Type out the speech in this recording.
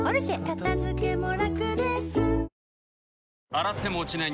洗っても落ちない